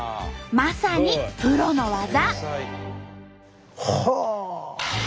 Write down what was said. まさにプロの技！